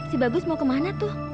si bagus mau kemana tuh